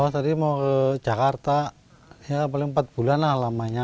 tadi mau ke jakarta ya paling empat bulan lah lamanya